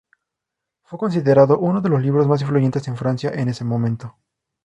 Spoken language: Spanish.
Fue considerado uno de los libros más influyentes en Francia en ese momento.